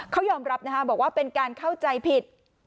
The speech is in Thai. เขายอมรับบอกว่าเป็นการเข้าใจผิด